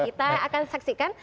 kita akan saksikan